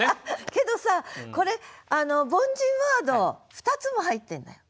けどさこれ凡人ワード２つも入ってるんだよ。